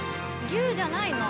牛じゃないの？